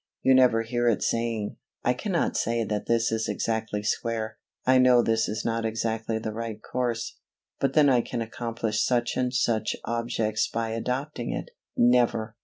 You never hear it saying "I cannot say that this is exactly square; I know this is not exactly the right course, but then I can accomplish such and such objects by adopting it." Never!